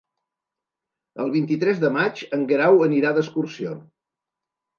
El vint-i-tres de maig en Guerau anirà d'excursió.